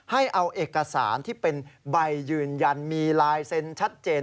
ให้เอาเอกสารที่เป็นใบยืนยันมีลายเซ็นต์ชัดเจน